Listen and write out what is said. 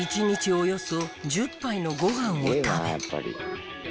およそ１０杯のご飯を食べ。